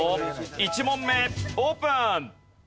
１問目オープン！